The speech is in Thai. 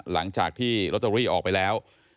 หลังจากที่ลอตเตอรี่ออกไปแล้ว